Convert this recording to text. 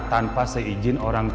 tanpa se izin orangnya